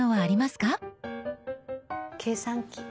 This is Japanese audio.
計算機。